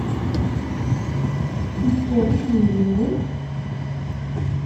Yettkerric uydi-nwent?